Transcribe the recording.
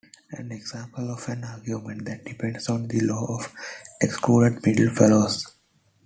An example of an argument that depends on the law of excluded middle follows.